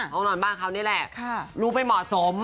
ห้องนอนบ้านเขานี่แหละรูปไม่เหมาะสม